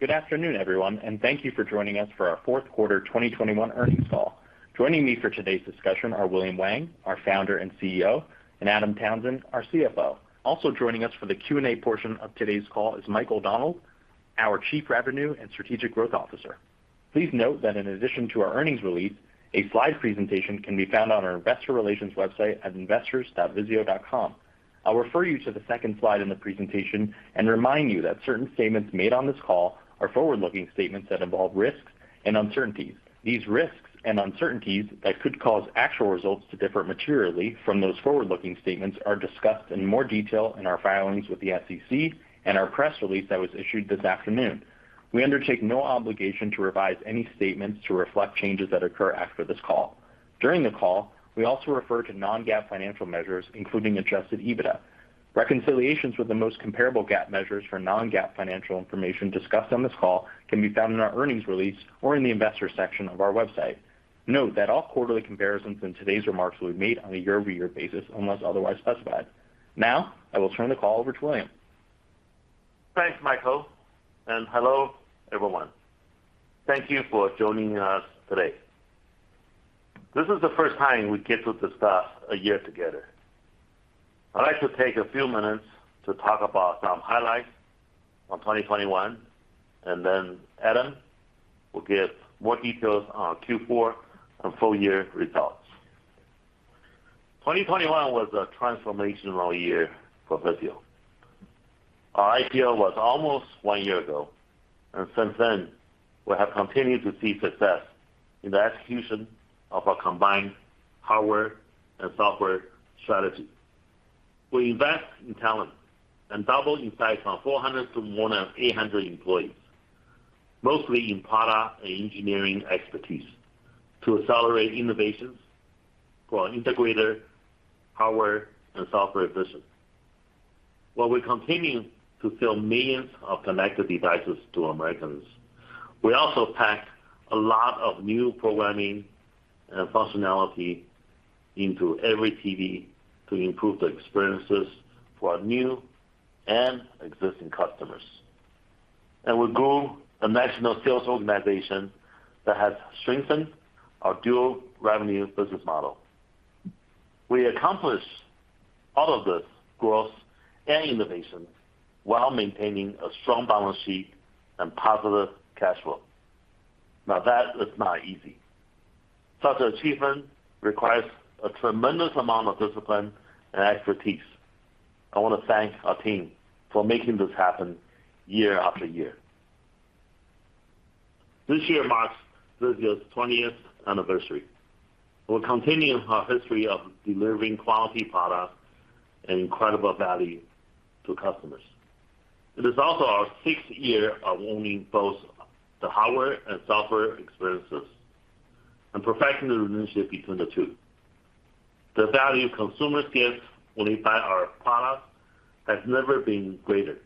Good afternoon, everyone, and thank you for joining us for our fourth quarter 2021 earnings call. Joining me for today's discussion are William Wang, our Founder and CEO, and Adam Townsend, our CFO. Also joining us for the Q&A portion of today's call is Mike O'Donnell, our Chief Revenue and Strategic Growth Officer. Please note that in addition to our earnings release, a slide presentation can be found on our investor relations website at investors.vizio.com. I'll refer you to the second slide in the presentation and remind you that certain statements made on this call are forward-looking statements that involve risks and uncertainties. These risks and uncertainties that could cause actual results to differ materially from those forward-looking statements are discussed in more detail in our filings with the SEC and our press release that was issued this afternoon. We undertake no obligation to revise any statements to reflect changes that occur after this call. During the call, we also refer to non-GAAP financial measures, including adjusted EBITDA. Reconciliations with the most comparable GAAP measures for non-GAAP financial information discussed on this call can be found in our earnings release or in the investor section of our website. Note that all quarterly comparisons in today's remarks will be made on a year-over-year basis, unless otherwise specified. Now, I will turn the call over to William. Thanks, Michael, and hello, everyone. Thank you for joining us today. This is the first time we get to discuss a year together. I'd like to take a few minutes to talk about some highlights on 2021, and then Adam will give more details on Q4 and full year results. 2021 was a transformational year for VIZIO. Our IPO was almost one year ago, and since then, we have continued to see success in the execution of our combined hardware and software strategy. We invest in talent and double in size from 400 to more than 800 employees, mostly in product and engineering expertise to accelerate innovations for our integrated, hardware, and software business. While we're continuing to sell millions of connected devices to Americans, we also pack a lot of new programming and functionality into every TV to improve the experiences for our new and existing customers. We grew a national sales organization that has strengthened our dual revenue business model. We accomplished all of this growth and innovation while maintaining a strong balance sheet and positive cash flow. Now that is not easy. Such achievement requires a tremendous amount of discipline and expertise. I wanna thank our team for making this happen year after year. This year marks VIZIO's 20th anniversary. We're continuing our history of delivering quality products and incredible value to customers. It is also our sixth year of owning both the hardware and software experiences and perfecting the relationship between the two. The value consumers get when they buy our products has never been greater.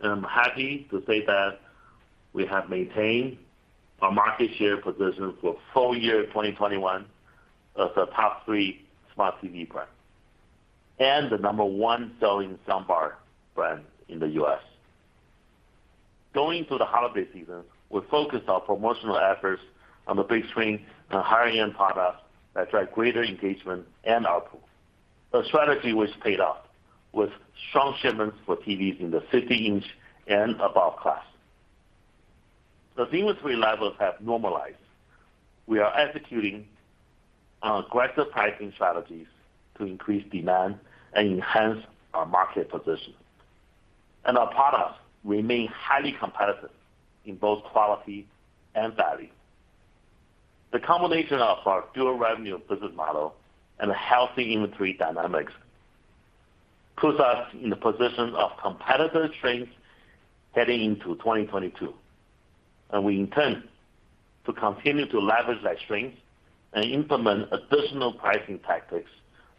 I'm happy to say that we have maintained our market share position for full year 2021 as a top three smart TV brand and the number one selling soundbar brand in the U.S. Going through the holiday season, we focused our promotional efforts on the big screen and higher-end products that drive greater engagement and output, the strategy, which paid off with strong shipments for TVs in the 50-inch and above class. The inventory levels have normalized. We are executing our aggressive pricing strategies to increase demand and enhance our market position. Our products remain highly competitive in both quality and value. The combination of our dual revenue business model and a healthy inventory dynamics puts us in a position of competitive strength heading into 2022, and we intend to continue to leverage that strength and implement additional pricing tactics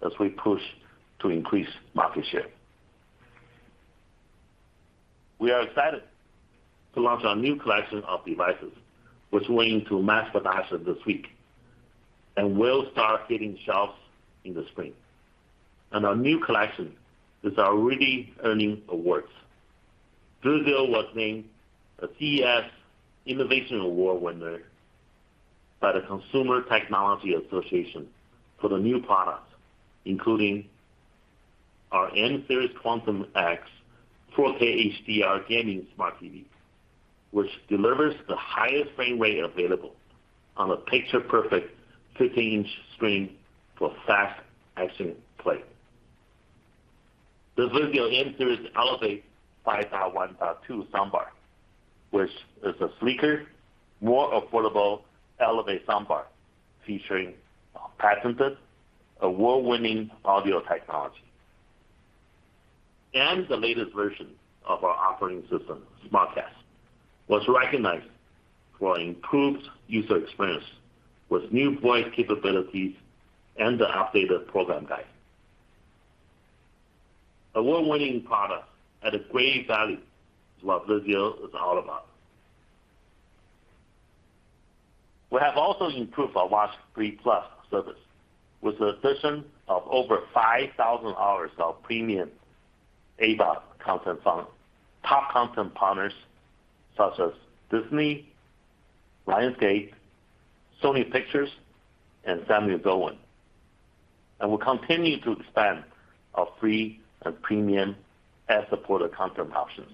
as we push to increase market share. We are excited to launch our new collection of devices, which we're going to mass production this week and will start hitting shelves in the spring. Our new collection is already earning awards. VIZIO was named a CES Innovation Award winner by the Consumer Technology Association for the new products, including our M-Series Quantum X 4K HDR gaming smart TV, which delivers the highest frame rate available on a picture-perfect 50-inch screen for fast action play. The VIZIO M-Series Elevate 5.1.2 soundbar, which is a sleeker, more affordable Elevate soundbar featuring our patented award-winning audio technology. The latest version of our operating system, SmartCast, was recognized for improved user experience with new voice capabilities and the updated program guide. Award-winning product at a great value is what VIZIO is all about. We have also improved our WatchFree+ service with the addition of over 5,000 hours of premium AVOD content from top content partners such as Disney, Lionsgate, Sony Pictures, and Samuel Goldwyn Films. We're continuing to expand our free and premium ad-supported content options.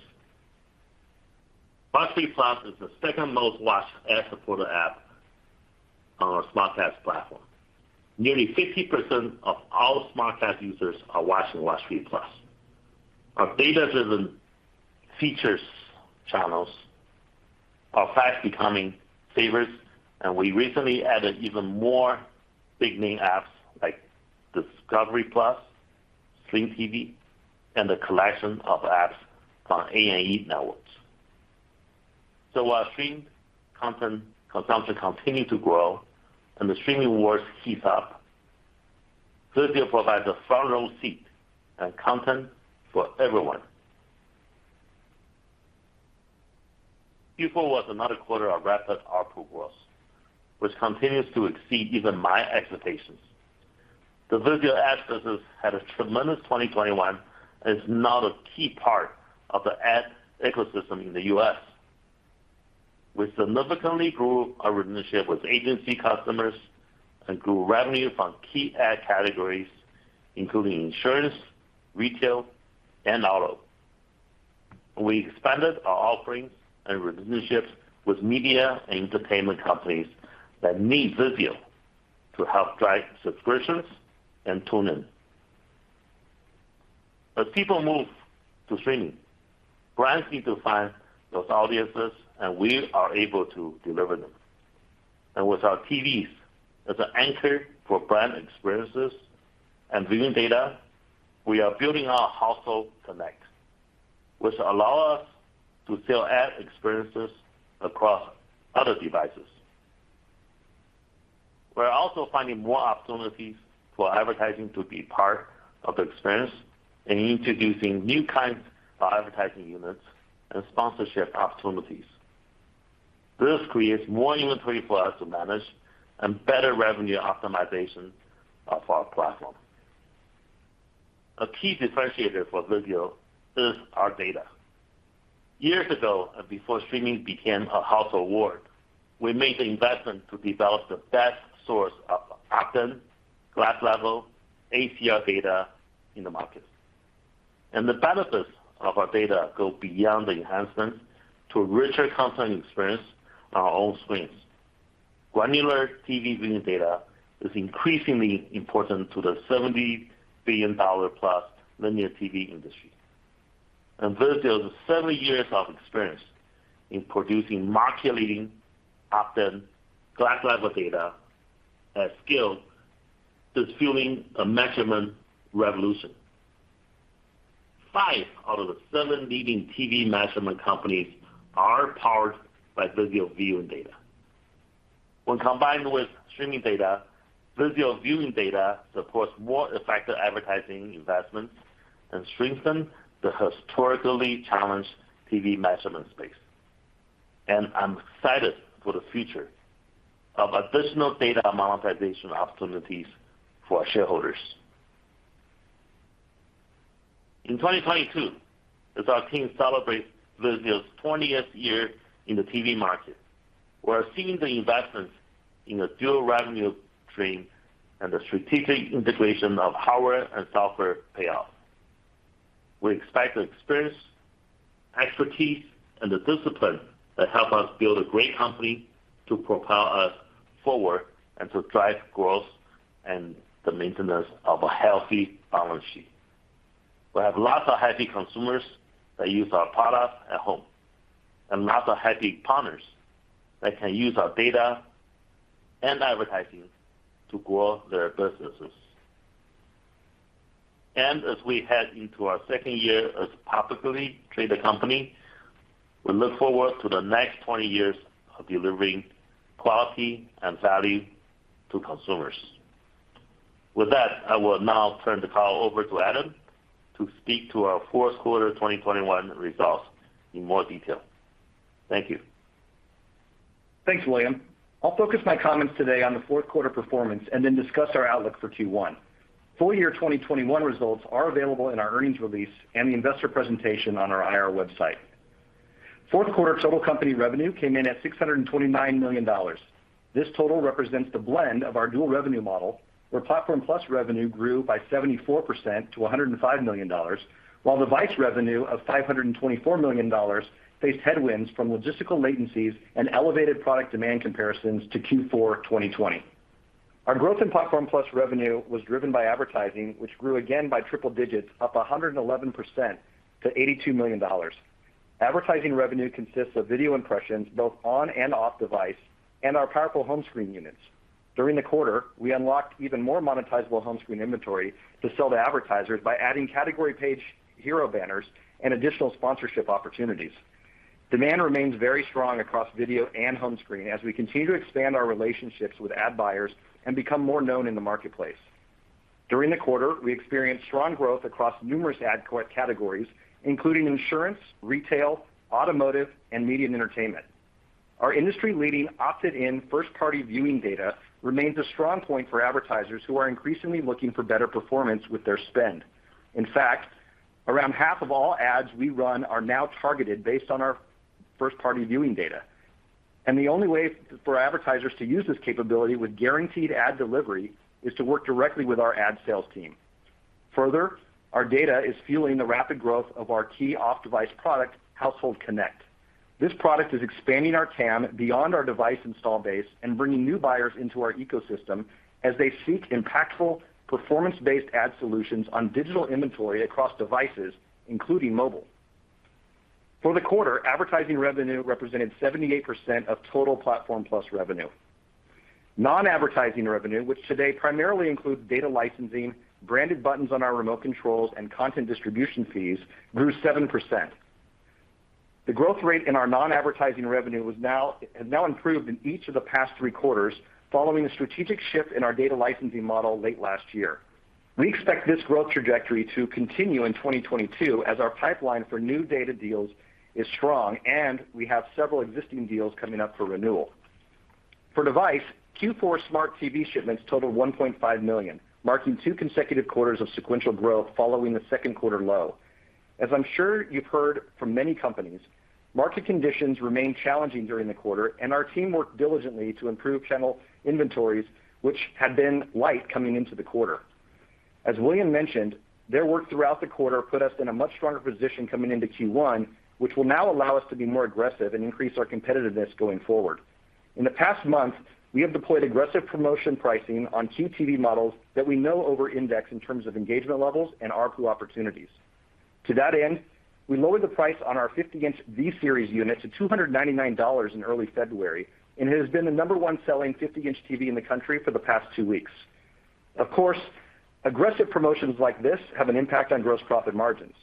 WatchFree+ is the second most watched ad-supported app on our SmartCast platform. Nearly 50% of all SmartCast users are watching WatchFree+. Our data-driven features channels are fast becoming favorites, and we recently added even more big-name apps like Discovery+, Sling TV, and a collection of apps from A+E Networks. While streamed content consumption continue to grow and the streaming wars heat up, VIZIO provides a front-row seat and content for everyone. Q4 was another quarter of rapid output growth, which continues to exceed even my expectations. The VIZIO ad business had a tremendous 2021 and is now a key part of the ad ecosystem in the U.S. We significantly grew our relationship with agency customers and grew revenue from key ad categories, including insurance, retail, and auto. We expanded our offerings and relationships with media and entertainment companies that need VIZIO to help drive subscriptions and tune-in. As people move to streaming, brands need to find those audiences, and we are able to deliver them. With our TVs as an anchor for brand experiences and viewing data, we are building our Household Connect, which allow us to sell ad experiences across other devices. We're also finding more opportunities for advertising to be part of the experience and introducing new kinds of advertising units and sponsorship opportunities. This creates more inventory for us to manage and better revenue optimization of our platform. A key differentiator for VIZIO is our data. Years ago, and before streaming became a household word, we made the investment to develop the best source of opt-in, glass-level ACR data in the market. The benefits of our data go beyond the enhancement to a richer content experience on our own screens. Granular TV viewing data is increasingly important to the $70+ billion linear TV industry. VIZIO's seven years of experience in producing market-leading opt-in glass-level data and scale is fueling a measurement revolution. Five out of the seven leading TV measurement companies are powered by VIZIO viewing data. When combined with streaming data, VIZIO viewing data supports more effective advertising investments and strengthen the historically challenged TV measurement space. I'm excited for the future of additional data monetization opportunities for our shareholders. In 2022, as our team celebrates VIZIO's 20th year in the TV market, we're seeing the investments in the dual revenue stream and the strategic integration of hardware and software pay off. We expect the experience, expertise, and the discipline that help us build a great company to propel us forward and to drive growth and the maintenance of a healthy balance sheet. We have lots of happy consumers that use our products at home and lots of happy partners that can use our data and advertising to grow their businesses. As we head into our second year as a publicly traded company, we look forward to the next 20 years of delivering quality and value to consumers. With that, I will now turn the call over to Adam to speak to our fourth quarter 2021 results in more detail. Thank you. Thanks, William. I'll focus my comments today on the fourth quarter performance and then discuss our outlook for Q1. Full year 2021 results are available in our earnings release and the investor presentation on our IR website. Fourth quarter total company revenue came in at $629 million. This total represents the blend of our dual revenue model, where Platform+ revenue grew by 74% to $105 million, while Device revenue of $524 million faced headwinds from logistical latencies and elevated product demand comparisons to Q4 2020. Our growth in Platform+ revenue was driven by advertising, which grew again by triple digits, up 111% to $82 million. Advertising revenue consists of video impressions both on and off device and our powerful home screen units. During the quarter, we unlocked even more monetizable home screen inventory to sell to advertisers by adding category page hero banners and additional sponsorship opportunities. Demand remains very strong across video and home screen as we continue to expand our relationships with ad buyers and become more known in the marketplace. During the quarter, we experienced strong growth across numerous ad categories, including insurance, retail, automotive, and media and entertainment. Our industry-leading opted-in first-party viewing data remains a strong point for advertisers who are increasingly looking for better performance with their spend. In fact, around half of all ads we run are now targeted based on our first-party viewing data. The only way for advertisers to use this capability with guaranteed ad delivery is to work directly with our ad sales team. Further, our data is fueling the rapid growth of our key off-device product, Household Connect. This product is expanding our TAM beyond our device install base and bringing new buyers into our ecosystem as they seek impactful performance-based ad solutions on digital inventory across devices, including mobile. For the quarter, advertising revenue represented 78% of total Platform+ revenue. Non-advertising revenue, which today primarily includes data licensing, branded buttons on our remote controls, and content distribution fees, grew 7%. The growth rate in our non-advertising revenue has now improved in each of the past three quarters following a strategic shift in our data licensing model late last year. We expect this growth trajectory to continue in 2022 as our pipeline for new data deals is strong, and we have several existing deals coming up for renewal. For device, Q4 smart TV shipments totaled 1.5 million, marking two consecutive quarters of sequential growth following the second quarter low. As I'm sure you've heard from many companies, market conditions remained challenging during the quarter, and our team worked diligently to improve channel inventories, which had been light coming into the quarter. As William mentioned, their work throughout the quarter put us in a much stronger position coming into Q1, which will now allow us to be more aggressive and increase our competitiveness going forward. In the past month, we have deployed aggressive promotion pricing on QTV models that we know over-index in terms of engagement levels and ARPU opportunities. To that end, we lowered the price on our 50-inch V-Series unit to $299 in early February, and it has been the number one selling 50-inch TV in the country for the past two weeks. Of course, aggressive promotions like this have an impact on gross profit margins.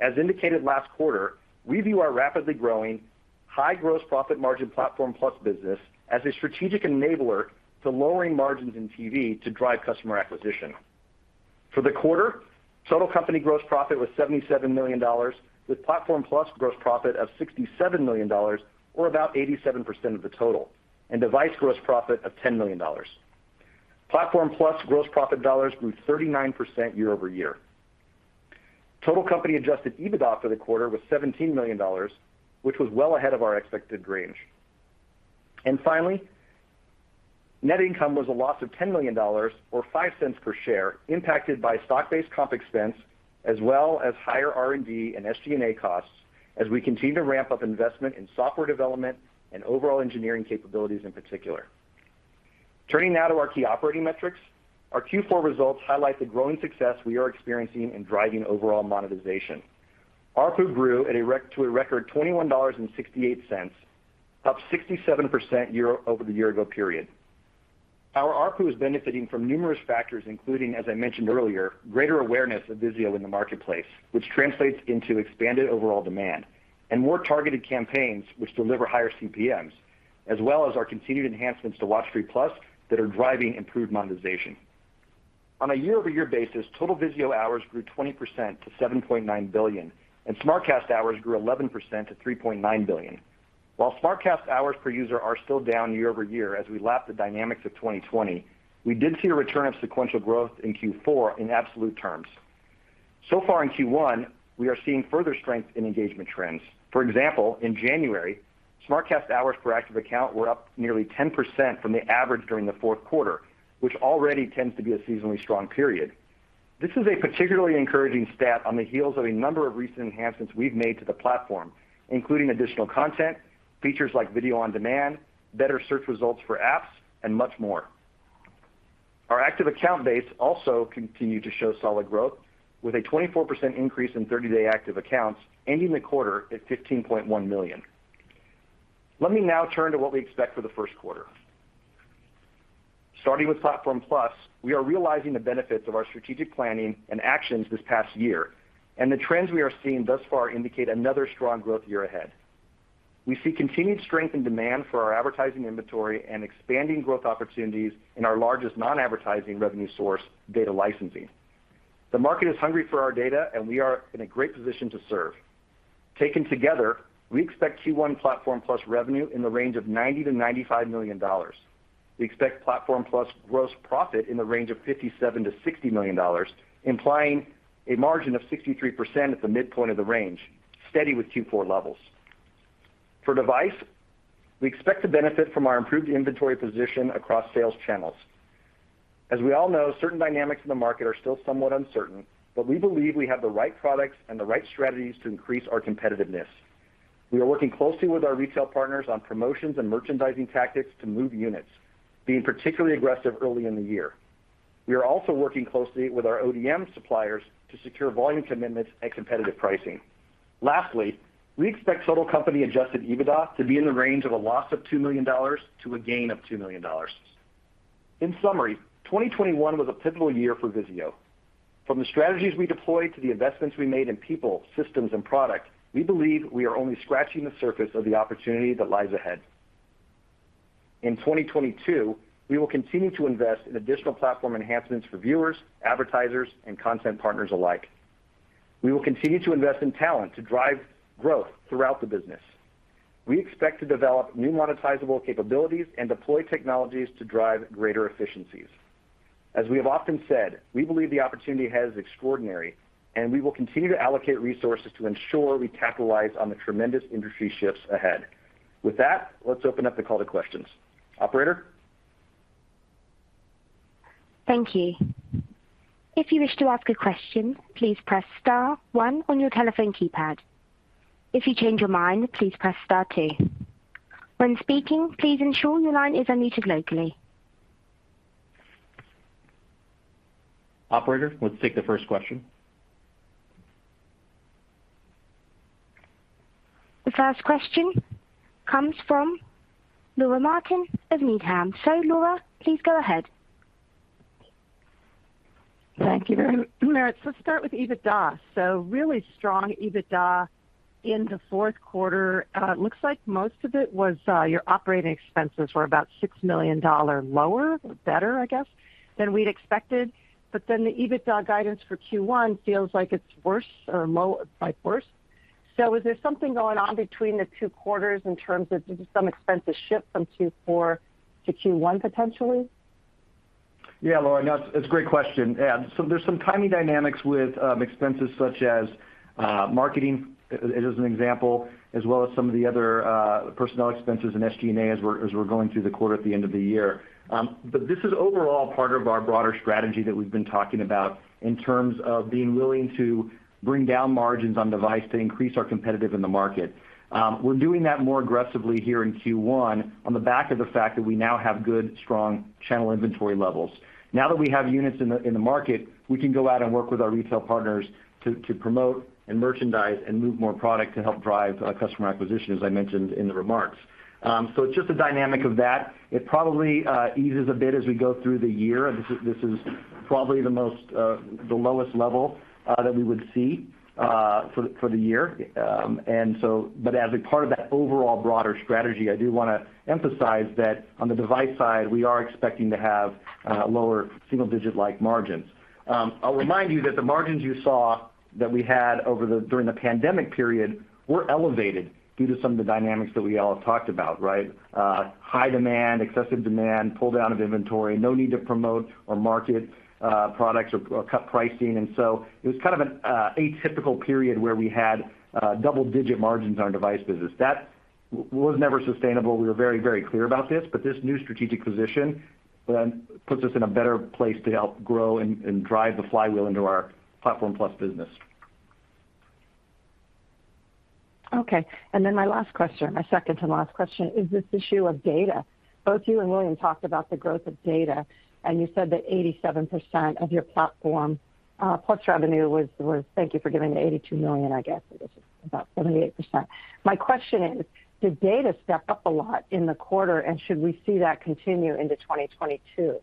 As indicated last quarter, we view our rapidly growing high gross profit margin Platform+ business as a strategic enabler to lowering margins in TV to drive customer acquisition. For the quarter, total company gross profit was $77 million, with Platform+ gross profit of $67 million or about 87% of the total, and device gross profit of $10 million. Platform+ gross profit dollars grew 39% year-over-year. Total company adjusted EBITDA for the quarter was $17 million, which was well ahead of our expected range. Finally, net income was a loss of $10 million or $0.05 per share, impacted by stock-based comp expense as well as higher R&D and SG&A costs as we continue to ramp up investment in software development and overall engineering capabilities in particular. Turning now to our key operating metrics. Our Q4 results highlight the growing success we are experiencing in driving overall monetization. ARPU grew to a record $21.68, up 67% year-over-year. Our ARPU is benefiting from numerous factors, including, as I mentioned earlier, greater awareness of VIZIO in the marketplace, which translates into expanded overall demand and more targeted campaigns which deliver higher CPMs, as well as our continued enhancements to WatchFree+ that are driving improved monetization. On a year-over-year basis, total VIZIO hours grew 20% to 7.9 billion, and SmartCast hours grew 11% to 3.9 billion. While SmartCast hours per user are still down year-over-year as we lap the dynamics of 2020, we did see a return of sequential growth in Q4 in absolute terms. So far in Q1, we are seeing further strength in engagement trends. For example, in January, SmartCast hours per active account were up nearly 10% from the average during the fourth quarter, which already tends to be a seasonally strong period. This is a particularly encouraging stat on the heels of a number of recent enhancements we've made to the platform, including additional content, features like video on demand, better search results for apps, and much more. Our active account base also continued to show solid growth with a 24% increase in 30-day active accounts ending the quarter at 15.1 million. Let me now turn to what we expect for the first quarter. Starting with Platform+, we are realizing the benefits of our strategic planning and actions this past year, and the trends we are seeing thus far indicate another strong growth year ahead. We see continued strength and demand for our advertising inventory and expanding growth opportunities in our largest non-advertising revenue source, data licensing. The market is hungry for our data, and we are in a great position to serve. Taken together, we expect Q1 Platform+ revenue in the range of $90 million-$95 million. We expect Platform+ gross profit in the range of $57 million-$60 million, implying a margin of 63% at the midpoint of the range, steady with Q4 levels. For device, we expect to benefit from our improved inventory position across sales channels. As we all know, certain dynamics in the market are still somewhat uncertain, but we believe we have the right products and the right strategies to increase our competitiveness. We are working closely with our retail partners on promotions and merchandising tactics to move units, being particularly aggressive early in the year. We are also working closely with our ODM suppliers to secure volume commitments at competitive pricing. Lastly, we expect total company adjusted EBITDA to be in the range of a loss of $2 million to a gain of $2 million. In summary, 2021 was a pivotal year for VIZIO. From the strategies we deployed to the investments we made in people, systems and product, we believe we are only scratching the surface of the opportunity that lies ahead. In 2022, we will continue to invest in additional platform enhancements for viewers, advertisers, and content partners alike. We will continue to invest in talent to drive growth throughout the business. We expect to develop new monetizable capabilities and deploy technologies to drive greater efficiencies. As we have often said, we believe the opportunity ahead is extraordinary, and we will continue to allocate resources to ensure we capitalize on the tremendous industry shifts ahead. With that, let's open up the call to questions. Operator? Thank you. If you wish to ask a question, please press star one on your telephone keypad. If you change your mind, please press star two. When speaking, please ensure your line is unmuted locally. Operator, let's take the first question. The first question comes from Laura Martin of Needham. Laura, please go ahead. Thank you. Adam, let's start with EBITDA. Really strong EBITDA in the fourth quarter. It looks like most of it was your operating expenses were about $6 million lower or better, I guess, than we'd expected. The EBITDA guidance for Q1 feels like it's worse or lower, like worse. Is there something going on between the two quarters in terms of did some expenses shift from Q4 to Q1, potentially? Yeah, Laura, no, it's a great question. Yeah. There's some timing dynamics with expenses such as marketing as an example, as well as some of the other personnel expenses and SG&A as we're going through the quarter at the end of the year. This is overall part of our broader strategy that we've been talking about in terms of being willing to bring down margins on device to increase our competitive in the market. We're doing that more aggressively here in Q1 on the back of the fact that we now have good, strong channel inventory levels. Now that we have units in the market, we can go out and work with our retail partners to promote and merchandise and move more product to help drive customer acquisition, as I mentioned in the remarks. It's just the dynamic of that. It probably eases a bit as we go through the year. This is probably the lowest level that we would see for the year. As a part of that overall broader strategy, I do wanna emphasize that on the device side, we are expecting to have lower single digit-like margins. I'll remind you that the margins you saw that we had during the pandemic period were elevated due to some of the dynamics that we all talked about, right? High demand, excessive demand, pull-down of inventory, no need to promote or market products or cut pricing. It was kind of an atypical period where we had double digit margins on our device business. That was never sustainable. We were very, very clear about this, but this new strategic position puts us in a better place to help grow and drive the flywheel into our Platform+ business. Okay. Then my last question, my second to last question is this issue of data. Both you and William talked about the growth of data, and you said that 87% of your Platform+ revenue was. Thank you for giving the $82 million, I guess. It was about 78%. My question is, did data step up a lot in the quarter, and should we see that continue into 2022?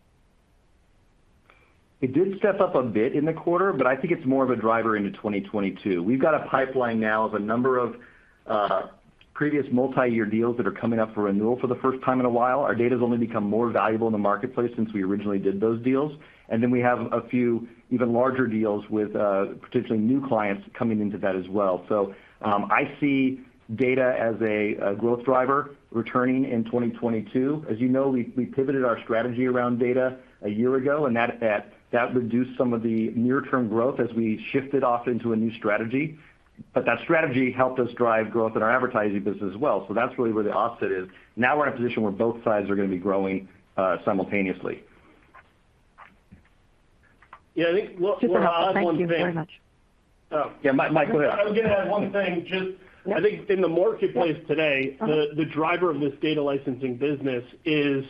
It did step up a bit in the quarter, but I think it's more of a driver into 2022. We've got a pipeline now of a number of previous multi-year deals that are coming up for renewal for the first time in a while. Our data's only become more valuable in the marketplace since we originally did those deals. Then we have a few even larger deals with potentially new clients coming into that as well. I see data as a growth driver returning in 2022. As you know, we pivoted our strategy around data a year ago, and that reduced some of the near-term growth as we shifted off into a new strategy. That strategy helped us drive growth in our advertising business as well. That's really where the offset is. Now we're in a position where both sides are gonna be growing, simultaneously. Just one last- Yeah, I think, Laura, I'll add one thing. Thank you very much. Oh. Yeah. Mike, go ahead. I was gonna add one thing. Just I think in the marketplace today, the driver of this data licensing business is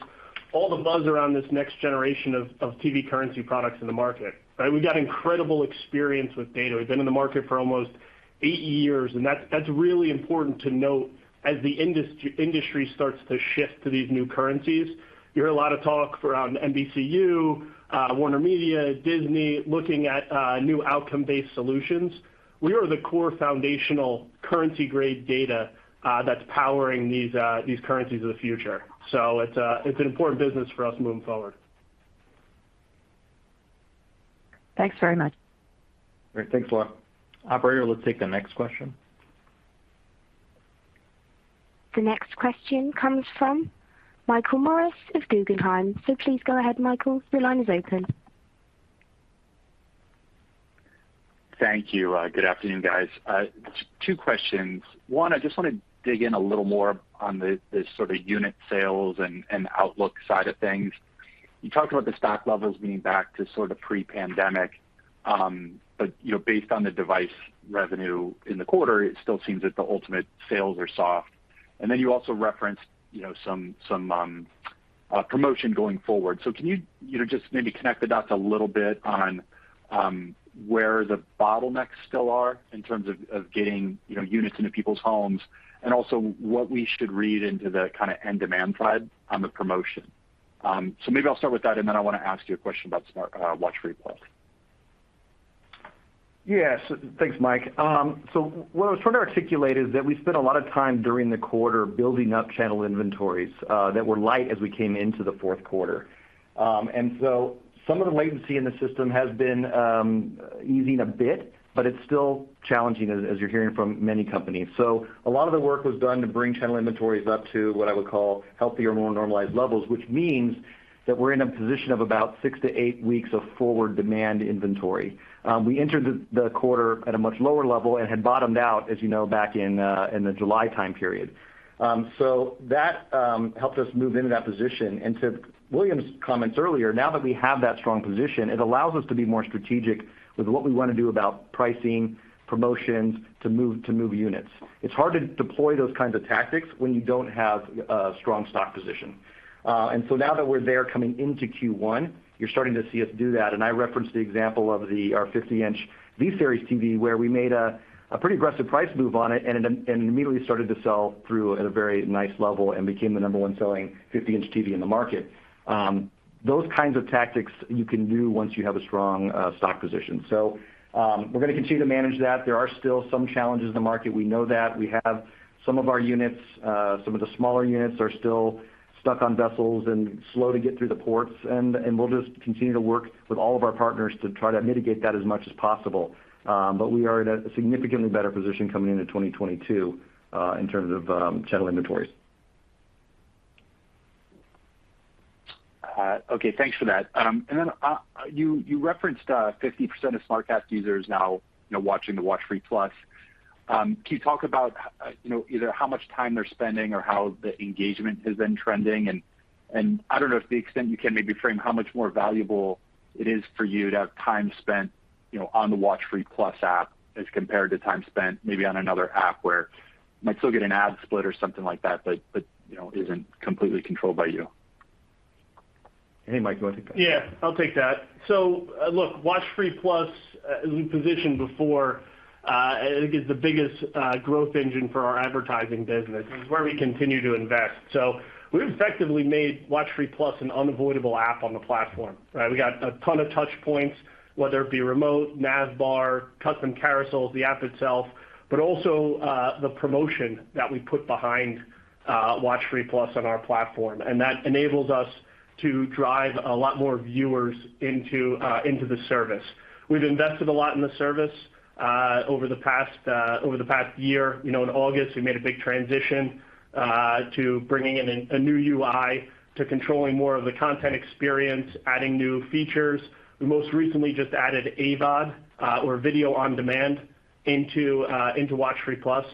all the buzz around this next generation of TV currency products in the market, right? We've got incredible experience with data. We've been in the market for almost eight years, and that's really important to note as the industry starts to shift to these new currencies. You hear a lot of talk around NBCU, WarnerMedia, Disney looking at new outcome-based solutions. We are the core foundational currency-grade data that's powering these currencies of the future. It's an important business for us moving forward. Thanks very much. All right. Thanks, Laura. Operator, let's take the next question. The next question comes from Michael Morris of Guggenheim. Please go ahead, Michael. Your line is open. Thank you. Good afternoon, guys. Two questions. One, I just want to dig in a little more on the sort of unit sales and outlook side of things. You talked about the stock levels being back to sort of pre-pandemic, but you know, based on the device revenue in the quarter, it still seems that the ultimate sales are soft. You also referenced you know some promotion going forward. Can you you know just maybe connect the dots a little bit on where the bottlenecks still are in terms of getting you know units into people's homes, and also what we should read into the kinda end demand side on the promotion? Maybe I'll start with that, and then I want to ask you a question about SmartCast and WatchFree+. Yes. Thanks, Mike. What I was trying to articulate is that we spent a lot of time during the quarter building up channel inventories that were light as we came into the fourth quarter. Some of the latency in the system has been easing a bit, but it's still challenging as you're hearing from many companies. A lot of the work was done to bring channel inventories up to what I would call healthier, more normalized levels, which means that we're in a position of about six weeks-eight weeks of forward demand inventory. We entered the quarter at a much lower level and had bottomed out, as you know, back in the July time period. That helped us move into that position. To William's comments earlier, now that we have that strong position, it allows us to be more strategic with what we wanna do about pricing, promotions to move units. It's hard to deploy those kinds of tactics when you don't have a strong stock position. Now that we're there coming into Q1, you're starting to see us do that. I referenced the example of our 50-inch V-Series TV where we made a pretty aggressive price move on it and it immediately started to sell through at a very nice level and became the number one selling 50-inch TV in the market. Those kinds of tactics you can do once you have a strong stock position. We're gonna continue to manage that. There are still some challenges in the market. We know that. We have some of our units, some of the smaller units are still stuck on vessels and slow to get through the ports, and we'll just continue to work with all of our partners to try to mitigate that as much as possible. We are at a significantly better position coming into 2022, in terms of channel inventories. Okay, thanks for that. You referenced 50% of SmartCast users now, you know, watching the WatchFree+. Can you talk about, you know, either how much time they're spending or how the engagement has been trending? I don't know if the extent you can maybe frame how much more valuable it is for you to have time spent, you know, on the WatchFree+ app as compared to time spent maybe on another app where you might still get an ad split or something like that, but you know, isn't completely controlled by you. Hey, Mike, do you wanna take that? Yeah, I'll take that. Look, WatchFree+, as we positioned before, I think is the biggest growth engine for our advertising business. This is where we continue to invest. We've effectively made WatchFree+ an unavoidable app on the platform, right? We got a ton of touch points, whether it be remote, nav bar, custom carousels, the app itself, but also the promotion that we put behind WatchFree+ on our platform. That enables us to drive a lot more viewers into the service. We've invested a lot in the service over the past year. You know, in August, we made a big transition to bringing in a new UI to controlling more of the content experience, adding new features. We most recently just added AVOD, or video-on-demand into WatchFree+.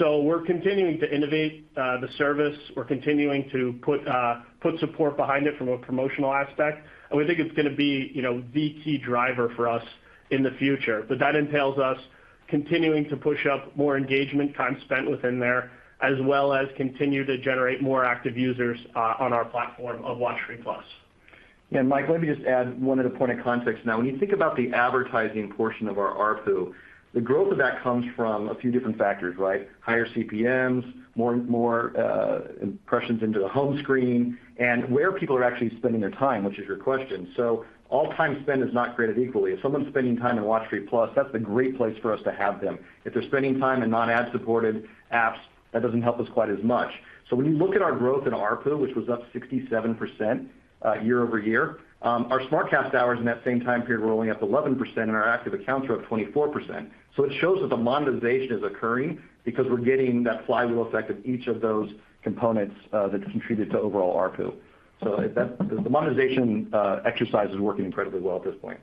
We're continuing to innovate the service. We're continuing to put support behind it from a promotional aspect, and we think it's gonna be, you know, the key driver for us in the future. That entails us continuing to push up more engagement time spent within there, as well as continue to generate more active users on our WatchFree+ platform. Mike, let me just add one other point of context now. When you think about the advertising portion of our ARPU, the growth of that comes from a few different factors, right? Higher CPMs, more impressions into the home screen and where people are actually spending their time, which is your question. So all time spent is not created equally. If someone's spending time in WatchFree+, that's a great place for us to have them. If they're spending time in non-ad supported apps, that doesn't help us quite as much. So when you look at our growth in ARPU, which was up 67%, year-over-year, our SmartCast hours in that same time period were only up 11% and our active accounts are up 24%. It shows that the monetization is occurring because we're getting that flywheel effect of each of those components that contributed to overall ARPU. That the monetization exercise is working incredibly well at this point.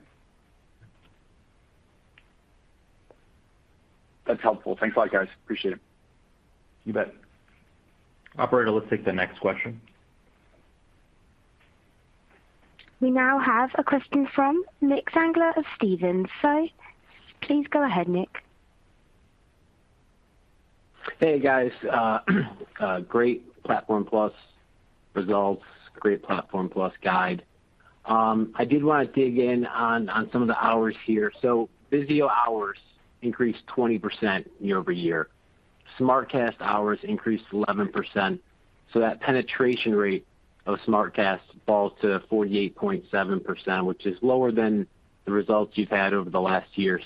That's helpful. Thanks a lot, guys. Appreciate it. You bet. Operator, let's take the next question. We now have a question from Nick Zangler of Stephens. Please go ahead, Nick. Hey, guys. Great Platform+ results. Great Platform+ guide. I did wanna dig in on some of the hours here. VIZIO hours increased 20% year-over-year. SmartCast hours increased 11%. That penetration rate of SmartCast falls to 48.7%, which is lower than the results you've had over the last year.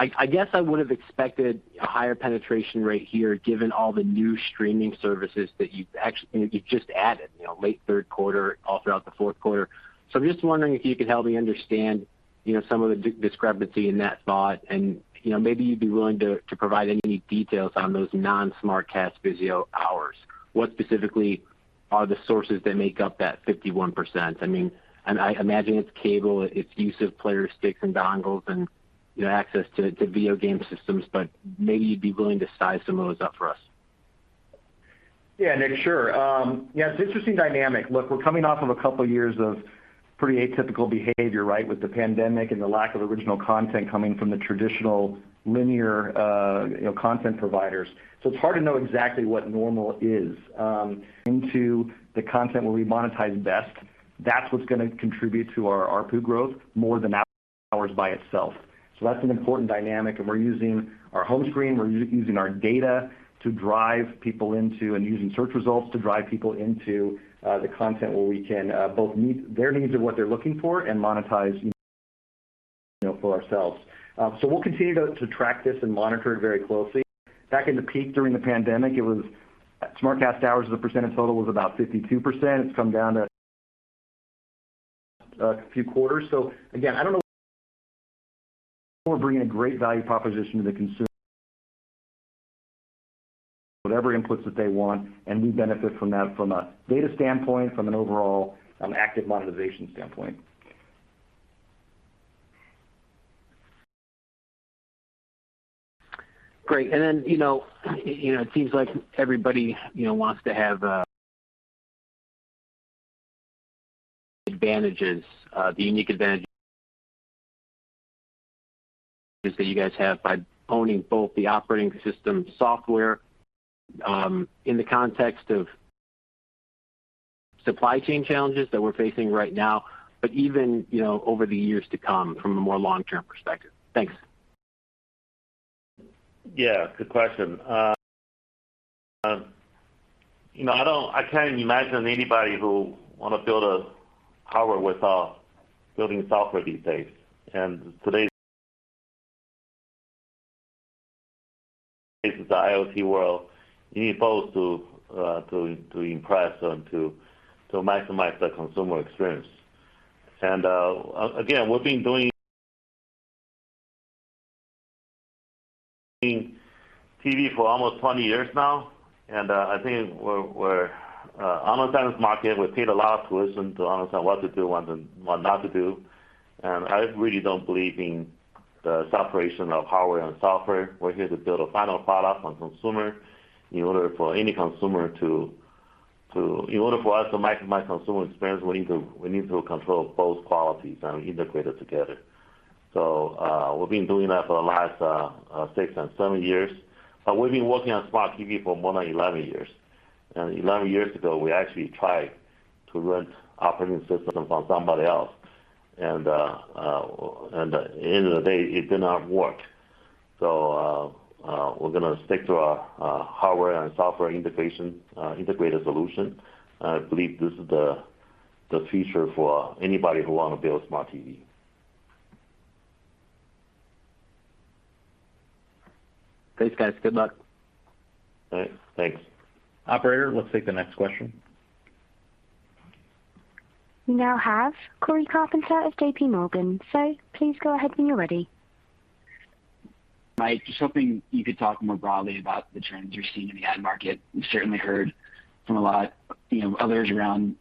I guess I would've expected a higher penetration rate here given all the new streaming services that you've just added, you know, late third quarter, all throughout the fourth quarter. I'm just wondering if you could help me understand, you know, some of the discrepancy in that thought. Maybe you'd be willing to provide any details on those non-SmartCast VIZIO hours. What specifically are the sources that make up that 51%? I mean, I imagine it's cable, its use of player sticks and dongles and, you know, access to video game systems. Maybe you'd be willing to size some of those up for us. Yeah, Nick. Sure. Yeah, it's an interesting dynamic. Look, we're coming off of a couple years of pretty atypical behavior, right? With the pandemic and the lack of original content coming from the traditional linear content providers. It's hard to know exactly what normal is. Into the content where we monetize best, that's what's gonna contribute to our ARPU growth more than hours by itself. That's an important dynamic, and we're using our home screen, we're using our data to drive people into, and using search results to drive people into, the content where we can both meet their needs of what they're looking for and monetize. You know, for ourselves. We'll continue to track this and monitor it very closely. Back in the peak during the pandemic, it was SmartCast hours as a percent of total was about 52%. It's come down to a few quarters. Again, I don't know bringing a great value proposition to the consumer whatever inputs that they want, and we benefit from that from a data standpoint, from an overall active monetization standpoint. Great. You know, it seems like everybody, you know, wants to have an advantage, the unique advantage that you guys have by owning both the operating system software in the context of supply chain challenges that we're facing right now, but even, you know, over the years to come from a more long-term perspective. Thanks. Yeah, good question. You know, I can't imagine anybody who wanna build a hardware without building software these days. Today's IoT world, you need both to impress and to maximize the consumer experience. Again, we've been doing TV for almost 20 years now, and I think we understand this market. We paid a lot to listen to understand what to do and then what not to do. I really don't believe in the separation of hardware and software. We're here to build a final product. In order for us to maximize consumer experience, we need to control both qualities and integrate it together. We've been doing that for the last six years and seven years. We've been working on smart TV for more than 11 years. 11 years ago, we actually tried to rent operating system from somebody else, and at the end of the day, it did not work. We're gonna stick to our hardware and software integration, integrated solution. I believe this is the future for anybody who wanna build smart TV. Thanks, guys. Good luck. All right. Thanks. Operator, let's take the next question. We now have Cory Carpenter of JPMorgan. Sir, please go ahead when you're ready. Mike, just hoping you could talk more broadly about the trends you're seeing in the ad market. We've certainly heard from a lot, you know, others around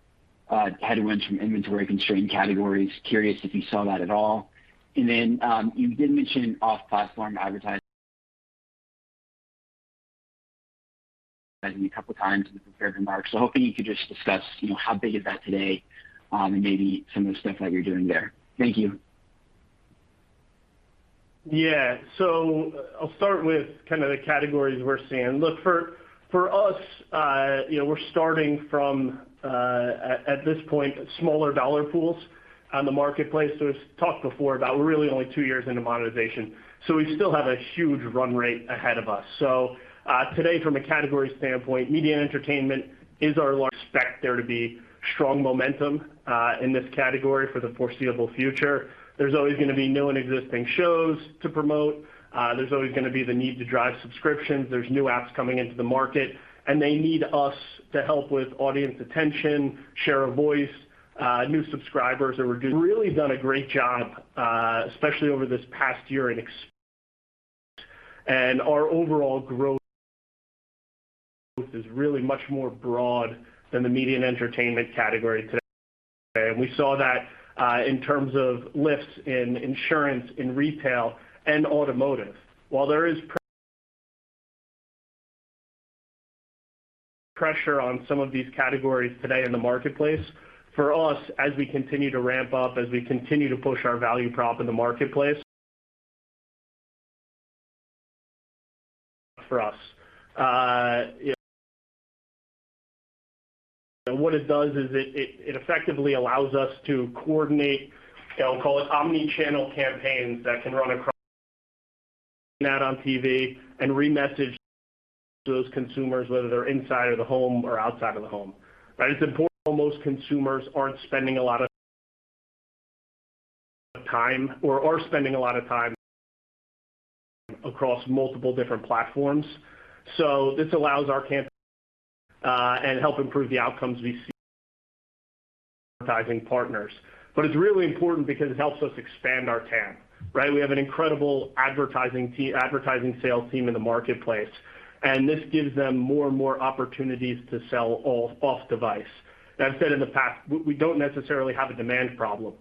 headwinds from inventory-constrained categories. Curious if you saw that at all. You did mention off-platform advertising a couple times in the prepared remarks. Hoping you could just discuss, you know, how big is that today, and maybe some of the stuff that you're doing there. Thank you. I'll start with kind of the categories we're seeing. Look, for us, you know, we're starting from at this point, smaller dollar pools on the marketplace. We've talked before about we're really only two years into monetization, so we still have a huge run rate ahead of us. Today from a category standpoint, media and entertainment is our largest, expected to be strong momentum in this category for the foreseeable future. There's always gonna be new and existing shows to promote. There's always gonna be the need to drive subscriptions. There's new apps coming into the market, and they need us to help with audience attention, share of voice, new subscribers or reduce. Really done a great job, especially over this past year in expanding and our overall growth is really much more broad than the media and entertainment category today. We saw that in terms of lifts in insurance, in retail and automotive. While there is pressure on some of these categories today in the marketplace, for us, as we continue to ramp up, as we continue to push our value prop in the marketplace for us. What it does is it effectively allows us to coordinate, I'll call it omnichannel campaigns that can run across on TV and remessage those consumers, whether they're inside of the home or outside of the home, right? It's important most consumers are spending a lot of time across multiple different platforms. This allows our campaigns and helps improve the outcomes we see with advertising partners. It's really important because it helps us expand our TAM, right? We have an incredible advertising team, advertising sales team in the marketplace, and this gives them more and more opportunities to sell ad off device. I've said in the past, we don't necessarily have a demand problem,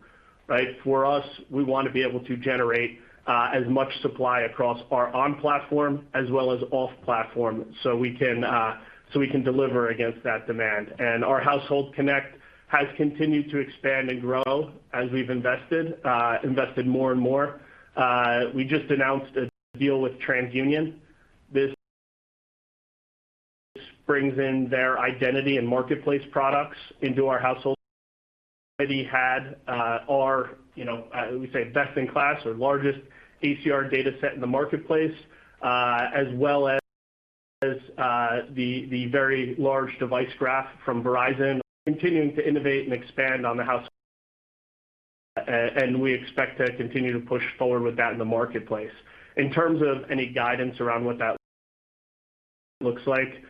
right? For us, we wanna be able to generate as much supply across our on-platform as well as off-platform, so we can deliver against that demand. Our Household Connect has continued to expand and grow as we've invested more and more. We just announced a deal with TransUnion. This brings in their identity and marketplace products into our household already had our, you know, we say best in class or largest ACR data set in the marketplace, as well as the very large device graph from Verizon continuing to innovate and expand on the household. We expect to continue to push forward with that in the marketplace. In terms of any guidance around what that looks like,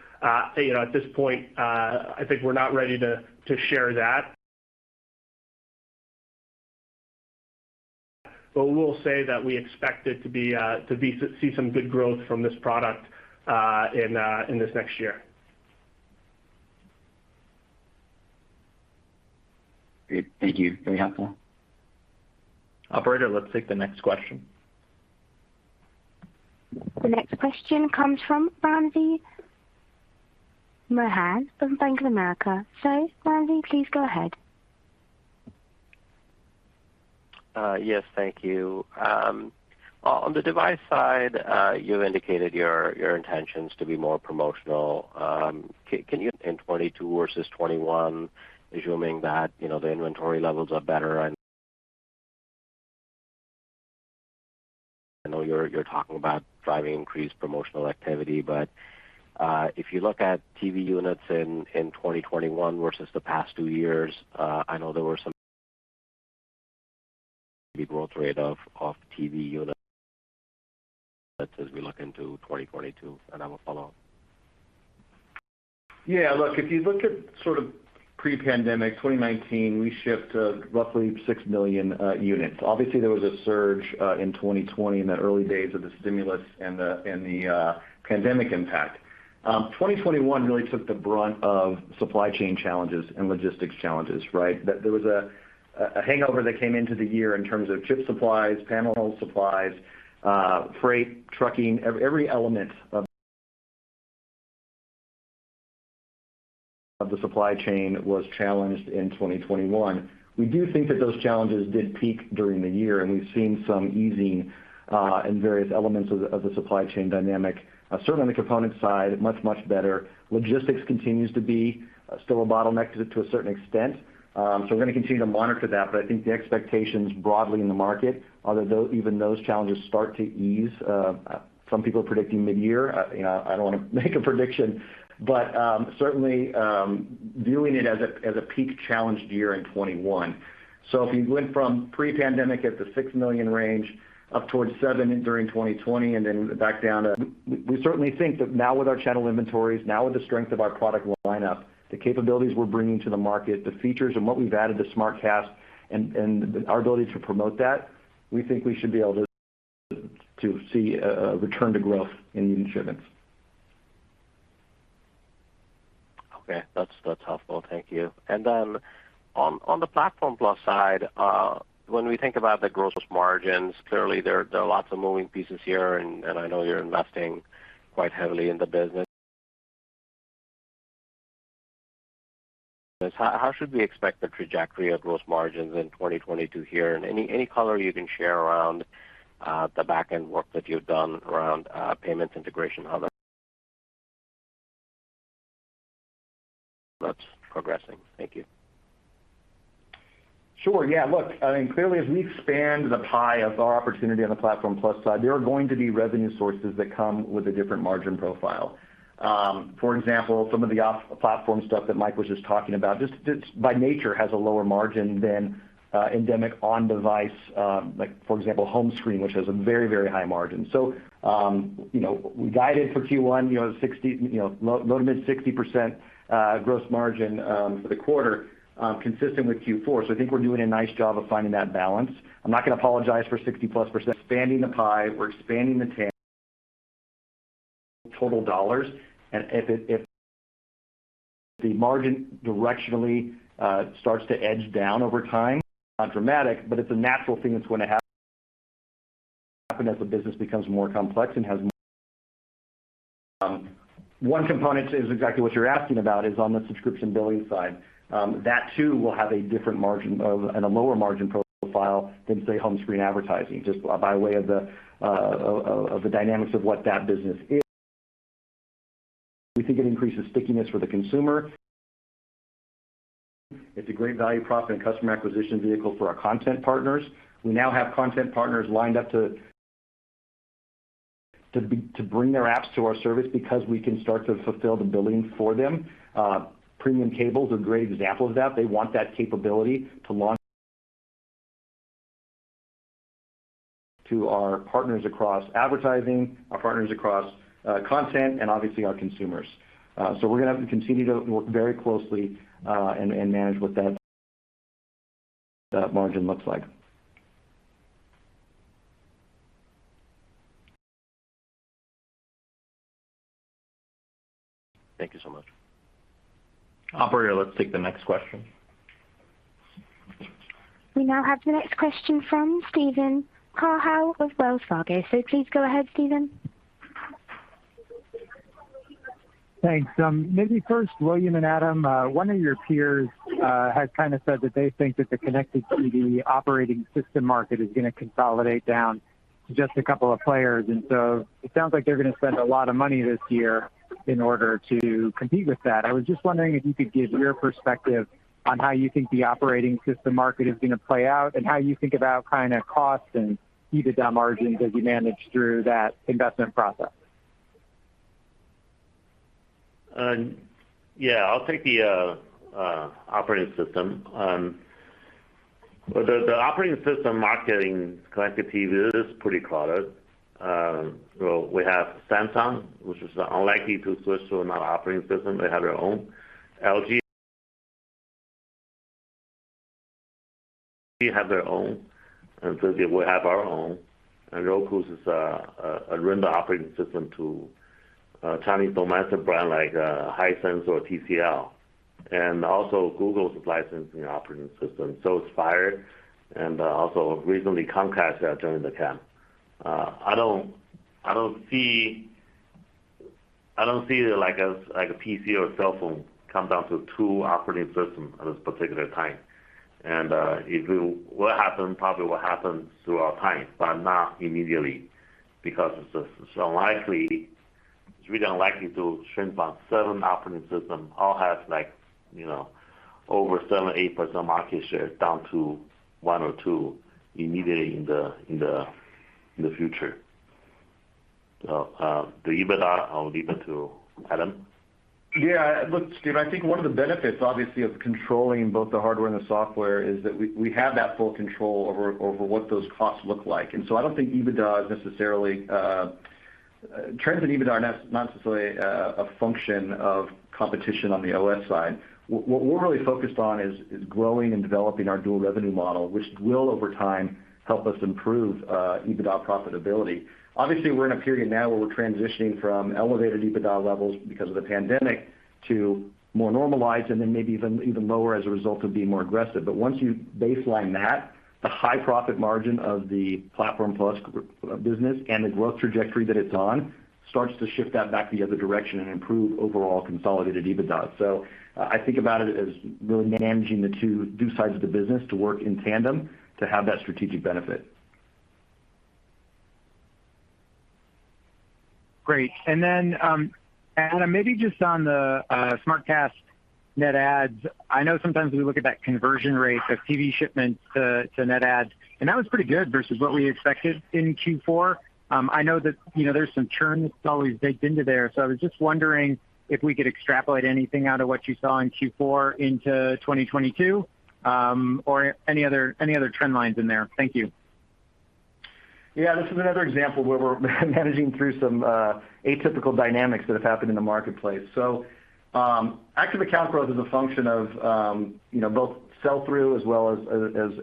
you know, at this point, I think we're not ready to share that. We'll say that we expect it to see some good growth from this product in this next year. Great. Thank you. Very helpful. Operator, let's take the next question. The next question comes from Ruplu Bhattacharya from Bank of America. Ruplu, please go ahead. Yes, thank you. On the device side, you indicated your intentions to be more promotional. Can you in 2022 versus 2021, assuming that, you know, the inventory levels are better and I know you're talking about driving increased promotional activity. If you look at TV units in 2021 versus the past two years, I know there were some big growth rate of TV units as we look into 2022. I will follow up. Yeah. Look, if you look at sort of pre-pandemic 2019, we shipped roughly 6 million units. Obviously, there was a surge in 2020 in the early days of the stimulus and the pandemic impact. 2021 really took the brunt of supply chain challenges and logistics challenges, right? There was a hangover that came into the year in terms of chip supplies, panel supplies, freight, trucking. Every element of the supply chain was challenged in 2021. We do think that those challenges did peak during the year, and we've seen some easing in various elements of the supply chain dynamic. Certainly the component side, much better. Logistics continues to be still a bottleneck to a certain extent. We're gonna continue to monitor that. I think the expectations broadly in the market are that though even those challenges start to ease, some people are predicting midyear. You know, I don't wanna make a prediction, but certainly viewing it as a peak challenged year in 2021. If you went from pre-pandemic at the 6 million range up towards 7 million during 2020 and then back down to. We certainly think that now with our channel inventories, now with the strength of our product lineup, the capabilities we're bringing to the market, the features and what we've added to SmartCast and our ability to promote that, we think we should be able to see a return to growth in unit shipments. Okay. That's helpful. Thank you. On the Platform+ side, when we think about the gross margins, clearly there are lots of moving pieces here and I know you're investing quite heavily in the business. How should we expect the trajectory of gross margins in 2022 here? Any color you can share around the backend work that you've done around payments integration, how that's progressing. Thank you. Sure. Yeah. Look, I mean, clearly as we expand the pie of our opportunity on the Platform+ side, there are going to be revenue sources that come with a different margin profile. For example, some of the off platform stuff that Mike was just talking about, just by nature has a lower margin than endemic on device, like for example, home screen, which has a very high margin. So, you know, we guided for Q1, you know, low- to mid-60% gross margin for the quarter, consistent with Q4. So I think we're doing a nice job of finding that balance. I'm not gonna apologize for 60%+. Expanding the pie, we're expanding the total dollars. If the margin directionally starts to edge down over time, not dramatic, but it's a natural thing that's gonna happen as the business becomes more complex and has one component is exactly what you're asking about, is on the subscription billing side. That too will have a different margin and a lower margin profile than say, home screen advertising, just by way of the dynamics of what that business is. We think it increases stickiness for the consumer. It's a great value prop and customer acquisition vehicle for our content partners. We now have content partners lined up to bring their apps to our service because we can start to fulfill the billing for them. Premium Cable is a great example of that. They want that capability to launch to our partners across advertising, our partners across content, and obviously our consumers. We're gonna have to continue to work very closely, and manage what that margin looks like. Thank you so much. Operator, let's take the next question. We now have the next question from Steven Cahall of Wells Fargo. Please go ahead, Steven. Thanks. Maybe first, William and Adam, one of your peers has kinda said that they think that the connected TV operating system market is gonna consolidate down to just a couple of players, and so it sounds like they're gonna spend a lot of money this year in order to compete with that. I was just wondering if you could give your perspective on how you think the operating system market is gonna play out and how you think about kinda costs and EBITDA margins as you manage through that investment process. Yeah, I'll take the operating system. Well, the operating system market connected TV is pretty crowded. So we have Samsung, which is unlikely to switch to another operating system. They have their own. LG have their own. TCL will have our own. Roku's is a rental operating system to Chinese domestic brands like Hisense or TCL. Also Google's licensing the operating system, so is Fire, also recently Comcast are joining the camp. I don't see it like as like a PC or a cell phone come down to two operating systems at this particular time. It will probably happen through our time, but not immediately because it's unlikely. It's really unlikely to shrink from seven operating system, all have like, you know, over 7%-8% market share down to one or two immediately in the future. The EBITDA, I'll leave it to Adam. Yeah. Look, Steve, I think one of the benefits obviously of controlling both the hardware and the software is that we have that full control over what those costs look like. I don't think trends in EBITDA are not necessarily a function of competition on the OS side. What we're really focused on is growing and developing our dual revenue model, which will over time help us improve EBITDA profitability. Obviously, we're in a period now where we're transitioning from elevated EBITDA levels because of the pandemic to more normalized and then maybe even lower as a result of being more aggressive. Once you baseline that, the high profit margin of the Platform+ business and the growth trajectory that it's on starts to shift that back the other direction and improve overall consolidated EBITDA. I think about it as really managing the two sides of the business to work in tandem to have that strategic benefit. Great. Adam, maybe just on the SmartCast net adds. I know sometimes we look at that conversion rate of TV shipments to net adds, and that was pretty good versus what we expected in Q4. I know that there's some churn that's always baked into there, so I was just wondering if we could extrapolate anything out of what you saw in Q4 into 2022, or any other trend lines in there. Thank you. Yeah. This is another example where we're managing through some atypical dynamics that have happened in the marketplace. Active account growth is a function of you know, both sell-through as well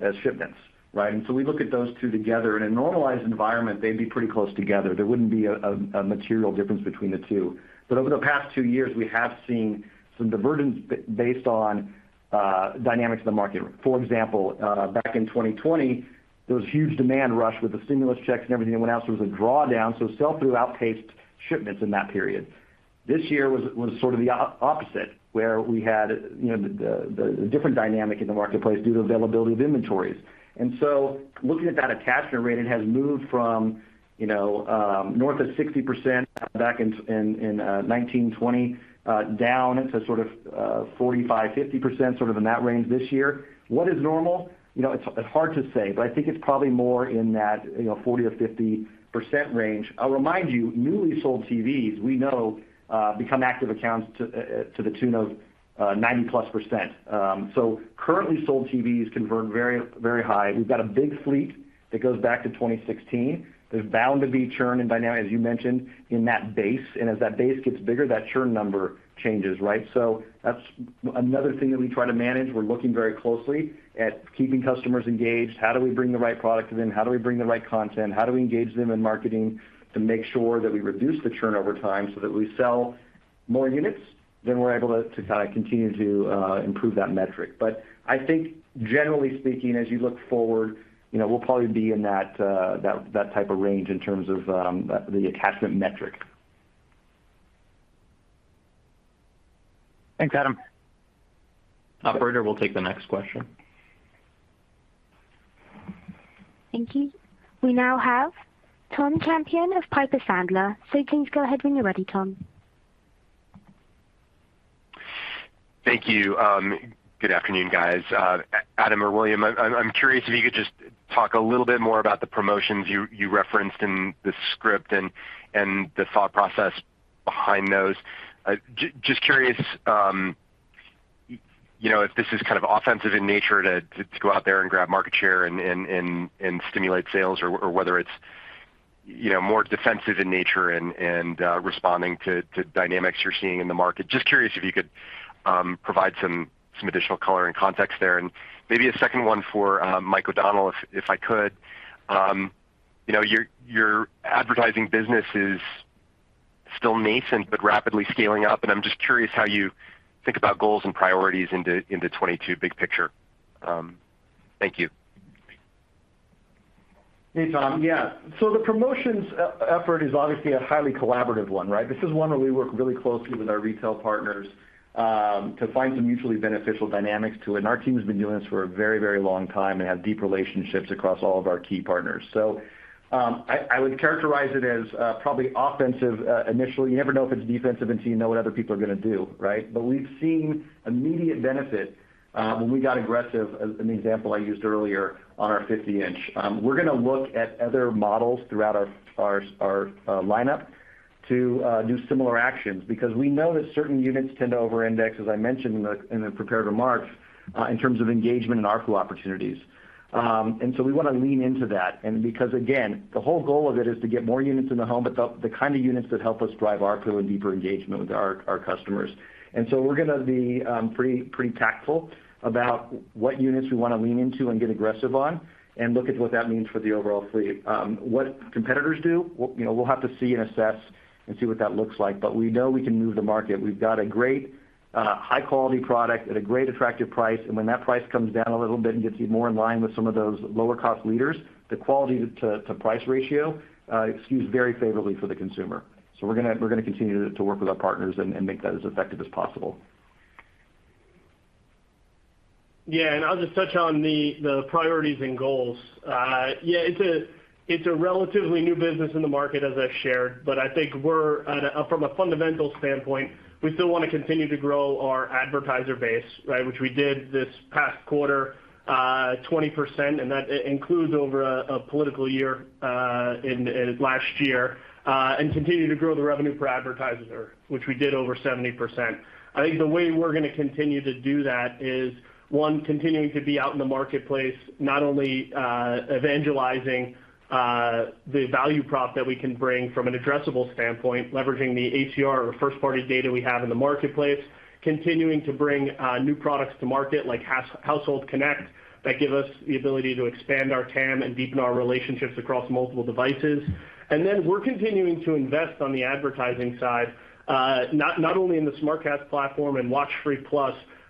as shipments, right? We look at those two together. In a normalized environment, they'd be pretty close together. There wouldn't be a material difference between the two. Over the past two years, we have seen some divergence based on dynamics of the market. For example, back in 2020, there was a huge demand rush with the stimulus checks and everything that went out. It was a drawdown, so sell-through outpaced shipments in that period. This year was sort of the opposite, where we had you know, the different dynamic in the marketplace due to availability of inventories. Looking at that attachment rate, it has moved from, you know, north of 60% back in 2020, down to sort of 45%-50%, sort of in that range this year. What is normal? You know, it's hard to say, but I think it's probably more in that, you know, 40%-50% range. I'll remind you, newly sold TVs, we know, become active accounts to the tune of 90%+. Currently sold TVs convert very high. We've got a big fleet that goes back to 2016. There's bound to be churn and dynamics, as you mentioned, in that base. As that base gets bigger, that churn number changes, right? That's another thing that we try to manage. We're looking very closely at keeping customers engaged. How do we bring the right product to them? How do we bring the right content? How do we engage them in marketing to make sure that we reduce the churn over time so that we sell more units, then we're able to kind of continue to improve that metric. But I think generally speaking, as you look forward, you know, we'll probably be in that type of range in terms of the attachment metric. Thanks, Adam. Operator, we'll take the next question. Thank you. We now have Tom Champion of Piper Sandler. Please go ahead when you're ready, Tom. Thank you. Good afternoon, guys. Adam or William, I'm curious if you could just talk a little bit more about the promotions you referenced in the script and the thought process behind those. Just curious, you know, if this is kind of offensive in nature to go out there and grab market share and stimulate sales or whether it's, you know, more defensive in nature and responding to dynamics you're seeing in the market. Just curious if you could provide some additional color and context there. Maybe a second one for Mike O'Donnell, if I could. You know, your advertising business is still nascent but rapidly scaling up, and I'm just curious how you think about goals and priorities into 2022 big picture. Thank you. Hey, Tom. Yeah. The promotions effort is obviously a highly collaborative one, right? This is one where we work really closely with our retail partners to find some mutually beneficial dynamics to it. Our team has been doing this for a very long time and have deep relationships across all of our key partners. I would characterize it as probably offensive initially. You never know if it's defensive until you know what other people are gonna do, right? We've seen immediate benefit when we got aggressive, as an example I used earlier on our 50-inch. We're gonna look at other models throughout our lineup to do similar actions because we know that certain units tend to over-index, as I mentioned in the prepared remarks in terms of engagement and ARPU opportunities. We wanna lean into that. Because, again, the whole goal of it is to get more units in the home, but the kind of units that help us drive ARPU and deeper engagement with our customers. We're gonna be pretty tactful about what units we wanna lean into and get aggressive on and look at what that means for the overall fleet. What competitors do, we'll, you know, have to see and assess and see what that looks like. But we know we can move the market. We've got a great high quality product at a great attractive price. When that price comes down a little bit and gets more in line with some of those lower cost leaders, the quality to price ratio skews very favorably for the consumer. We're gonna continue to work with our partners and make that as effective as possible. Yeah. I'll just touch on the priorities and goals. It's a relatively new business in the market as I shared, but I think from a fundamental standpoint, we still wanna continue to grow our advertiser base, right? Which we did this past quarter 20%, and that includes over a political year in last year, and continue to grow the revenue per advertiser, which we did over 70%. I think the way we're gonna continue to do that is, one, continuing to be out in the marketplace, not only evangelizing the value prop that we can bring from an addressable standpoint, leveraging the ACR or first party data we have in the marketplace, continuing to bring new products to market like Household Connect, that give us the ability to expand our TAM and deepen our relationships across multiple devices. We're continuing to invest on the advertising side, not only in the SmartCast platform and WatchFree+,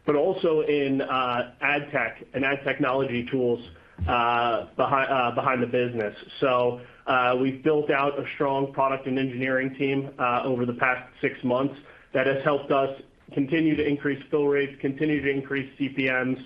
but also in ad tech and ad technology tools behind the business. We've built out a strong product and engineering team over the past six months that has helped us continue to increase fill rates, continue to increase CPMs,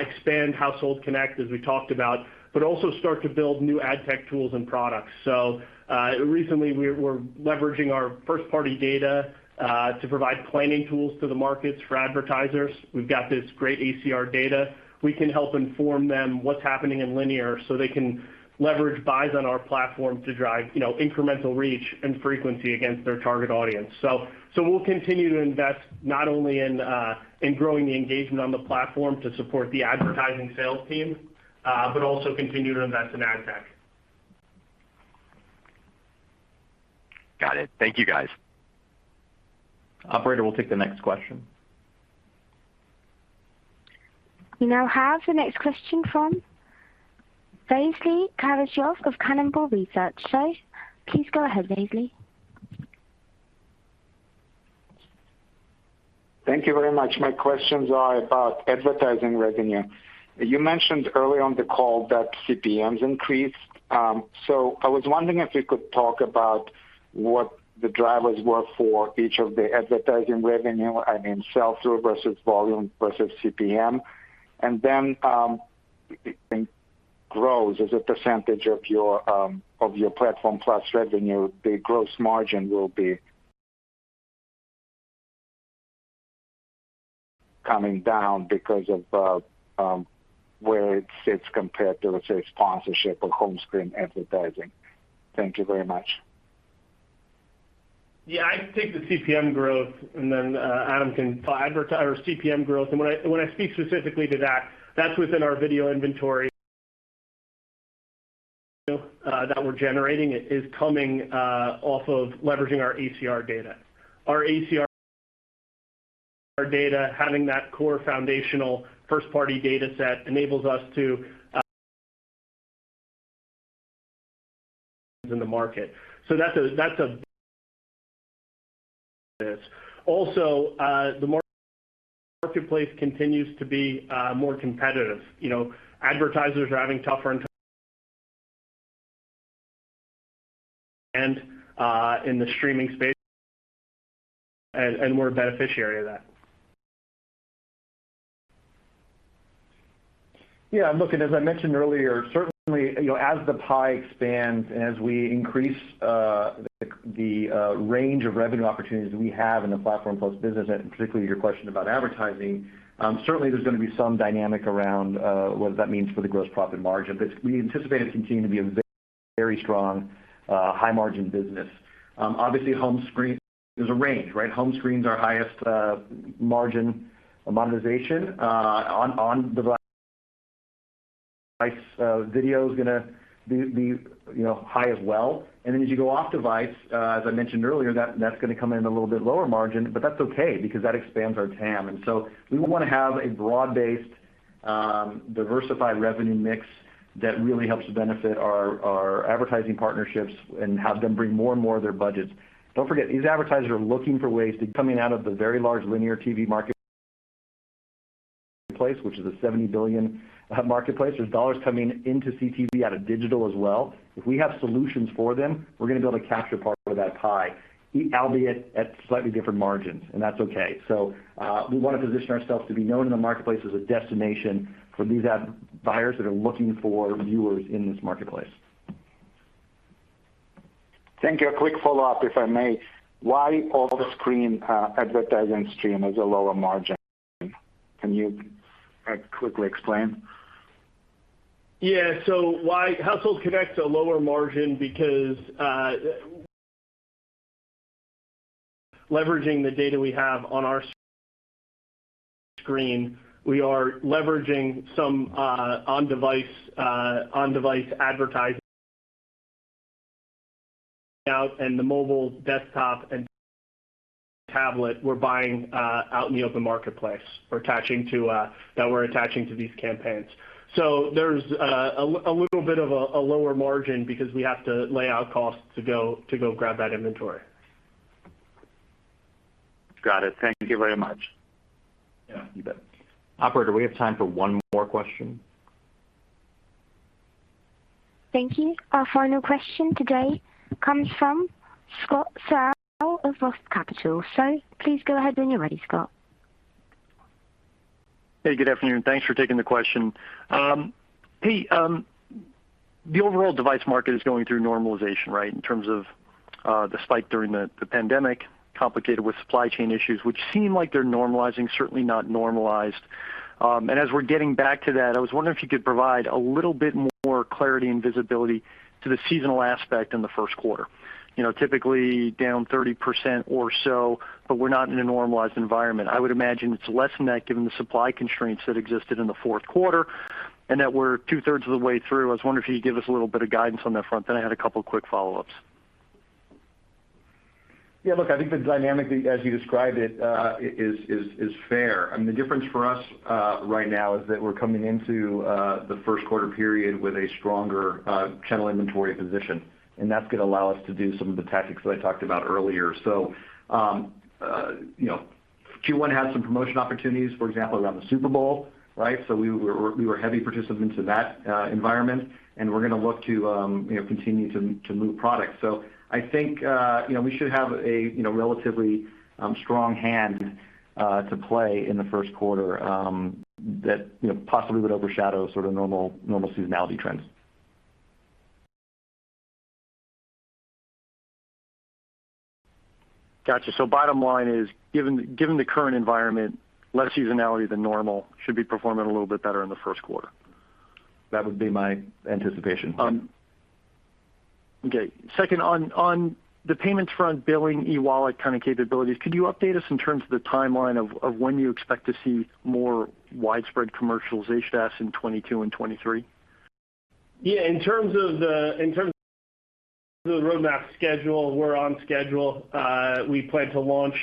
expand Household Connect, as we talked about, but also start to build new ad tech tools and products. Recently, we're leveraging our first-party data to provide planning tools to the markets for advertisers. We've got this great ACR data. We can help inform them what's happening in linear, so they can leverage buys on our platform to drive, you know, incremental reach and frequency against their target audience. We'll continue to invest not only in growing the engagement on the platform to support the advertising sales team, but also continue to invest in ad tech. Got it. Thank you, guys. Operator, we'll take the next question. We now have the next question from Vasily Karasyov of Cannonball Research. Please go ahead, Vasily. Thank you very much. My questions are about advertising revenue. You mentioned early on the call that CPMs increased. So I was wondering if you could talk about what the drivers were for each of the advertising revenue, I mean, sell-through versus volume versus CPM. Grows as a percentage of your Platform+ revenue, the gross margin will be coming down because of where it sits compared to, let's say, sponsorship or home screen advertising. Thank you very much. Yeah. I think the CPM growth. When I speak specifically to that's within our video inventory that we're generating, is coming off of leveraging our ACR data. Our ACR data, having that core foundational first-party data set, enables us to win in the market. So that's also. The marketplace continues to be more competitive. You know, advertisers are having a tougher time in the streaming space, and we're a beneficiary of that. Yeah, look, as I mentioned earlier, certainly, you know, as the pie expands and as we increase the range of revenue opportunities that we have in the Platform+ business, and particularly your question about advertising, certainly there's gonna be some dynamic around what that means for the gross profit margin. We anticipate it to continue to be a very strong high margin business. Obviously home screen, there's a range, right? Home screen is our highest margin monetization, on device video is gonna be, you know, high as well. Then as you go off device, as I mentioned earlier, that's gonna come in a little bit lower margin, but that's okay because that expands our TAM. We wanna have a broad-based, diversified revenue mix that really helps benefit our advertising partnerships and have them bring more and more of their budgets. Don't forget, these advertisers are looking for ways to come out of the very large linear TV marketplace, which is a $70 billion marketplace. There's dollars coming into CTV out of digital as well. If we have solutions for them, we're gonna be able to capture part of that pie, albeit at slightly different margins, and that's okay. We wanna position ourselves to be known in the marketplace as a destination for these ad buyers that are looking for viewers in this marketplace. Thank you. A quick follow-up, if I may. Why all the screen advertising stream has a lower margin? Can you quickly explain? Yeah. Why Household Connect's a lower margin because, leveraging the data we have on our screen, we are leveraging some on-device advertising out and the mobile, desktop, and tablet we're buying out in the open marketplace. We're attaching to these campaigns. There's a little bit of a lower margin because we have to lay out costs to go grab that inventory. Got it. Thank you very much. Yeah, you bet. Operator, we have time for one more question. Thank you. Our final question today comes from Scott Searle of Roth Capital. Please go ahead when you're ready, Scott. Hey, good afternoon. Thanks for taking the question. Pete, the overall device market is going through normalization, right, in terms of, the spike during the pandemic, complicated with supply chain issues, which seem like they're normalizing, certainly not normalized. As we're getting back to that, I was wondering if you could provide a little bit more clarity and visibility to the seasonal aspect in the first quarter. You know, typically down 30% or so, but we're not in a normalized environment. I would imagine it's less than that given the supply constraints that existed in the fourth quarter, and that we're two-thirds of the way through. I was wondering if you could give us a little bit of guidance on that front, then I had a couple of quick follow-ups. Yeah, look, I think the dynamic, as you described it, is fair. I mean, the difference for us, right now is that we're coming into the first quarter period with a stronger channel inventory position, and that's gonna allow us to do some of the tactics that I talked about earlier. You know, Q1 has some promotion opportunities, for example, around the Super Bowl, right? We were heavy participants in that environment, and we're gonna look to you know, continue to move product. I think, you know, we should have a, you know, relatively strong hand to play in the first quarter, that, you know, possibly would overshadow sort of normal seasonality trends. Got you. Bottom line is, given the current environment, less seasonality than normal should be performing a little bit better in the first quarter. That would be my anticipation. Okay. Second, on the payments front, billing eWallet kind of capabilities, could you update us in terms of the timeline of when you expect to see more widespread commercialization as in 2022 and 2023? Yeah. In terms of the roadmap schedule, we're on schedule. We plan to launch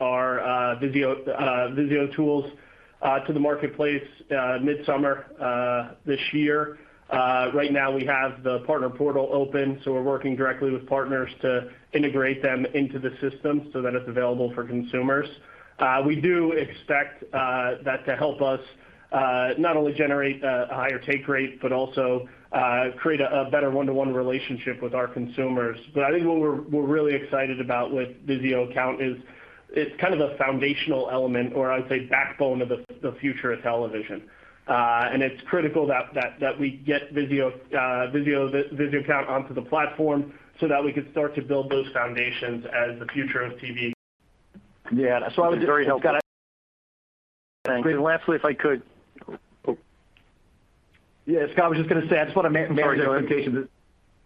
our VIZIO tools to the marketplace midsummer this year. Right now we have the partner portal open, so we're working directly with partners to integrate them into the system so that it's available for consumers. We do expect that to help us not only generate a higher take rate, but also create a better one-to-one relationship with our consumers. I think what we're really excited about with VIZIO Account is it's kind of a foundational element, or I'd say backbone of the future of television. It's critical that we get VIZIO Account onto the platform so that we can start to build those foundations as the future of TV. Yeah. I was just. Very helpful. Thanks. Lastly, if I could. Yeah, Scott, I was just gonna say, I just wanna manage expectations. Sorry, go ahead.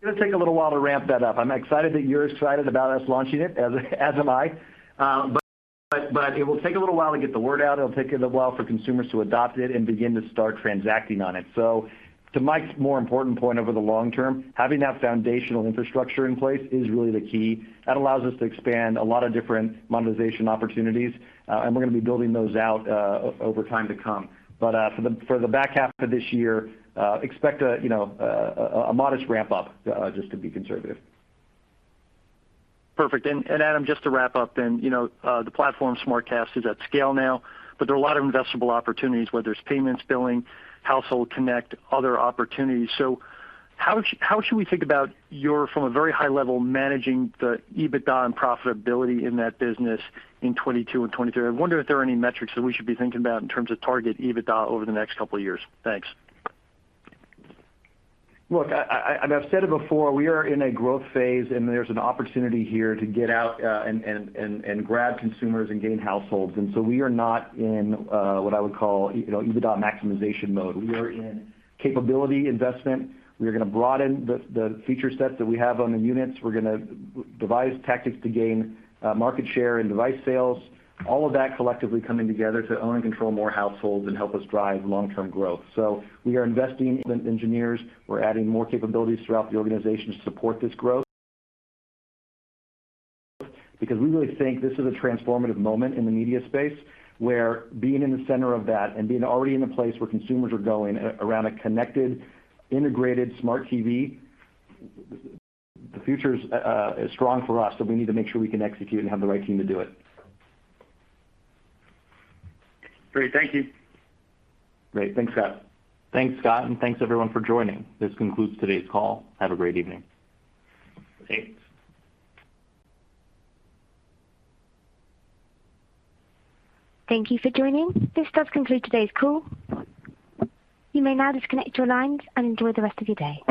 It's gonna take a little while to ramp that up. I'm excited that you're excited about us launching it as am I. But it will take a little while to get the word out. It'll take a little while for consumers to adopt it and begin to start transacting on it. To Mike's more important point over the long term, having that foundational infrastructure in place is really the key. That allows us to expand a lot of different monetization opportunities, and we're gonna be building those out over time to come. For the back half of this year, expect a you know a modest ramp up, just to be conservative. Perfect. Adam, just to wrap up then, you know, the platform SmartCast is at scale now, but there are a lot of investable opportunities, whether it's payments, billing, Household Connect, other opportunities. How should we think about your, from a very high level, managing the EBITDA and profitability in that business in 2022 and 2023? I wonder if there are any metrics that we should be thinking about in terms of target EBITDA over the next couple of years. Thanks. Look, I and I've said it before, we are in a growth phase and there's an opportunity here to get out and grab consumers and gain households. We are not in what I would call, you know, EBITDA maximization mode. We are in capability investment. We are gonna broaden the feature sets that we have on the units. We're gonna devise tactics to gain market share and device sales. All of that collectively coming together to own and control more households and help us drive long-term growth. We are investing in engineers. We're adding more capabilities throughout the organization to support this growth. Because we really think this is a transformative moment in the media space, where being in the center of that and being already in a place where consumers are going around a connected, integrated smart TV, the future is strong for us, so we need to make sure we can execute and have the right team to do it. Great. Thank you. Great. Thanks, Scott. Thanks, Scott, and thanks everyone for joining. This concludes today's call. Have a great evening. Thanks. Thank you for joining. This does conclude today's call. You may now disconnect your lines and enjoy the rest of your day.